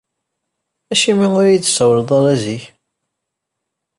Acimi ur iyi-d-tsawleḍ ara zik?